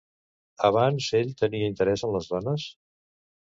Abans ell tenia interès en les dones?